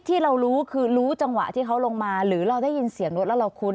ที่เรารู้คือรู้จังหวะที่เขาลงมาหรือเราได้ยินเสียงรถแล้วเราคุ้น